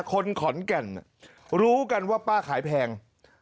คนขอนแก่นรู้กันว่าป้าขายแพง